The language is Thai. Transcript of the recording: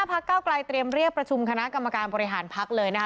แต่ประเด็นอยู่ตรงนี้ค่ะ